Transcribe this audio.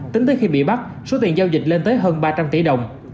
tính tới khi bị bắt số tiền giao dịch lên tới hơn ba trăm linh tỷ đồng